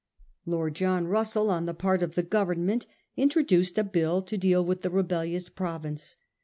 Lord John Rus sell on the part of the Government introduced a bill to deal with the rebellious province.